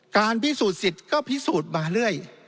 การพิสูจน์สิทธิ์ก็พิสูจน์มาเรื่อย